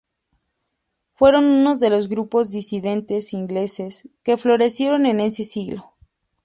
Fueron uno de los grupos disidentes ingleses que florecieron en ese siglo.